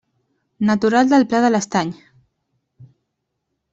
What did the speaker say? Natural de Pla de l'Estany.